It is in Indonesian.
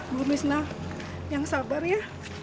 bu misna yang sabar ya